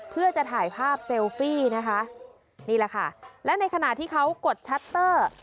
เพื่อจะถ่ายภาพเซลฟี่นะคะนี่แหละค่ะและในขณะที่เขากดชัตเตอร์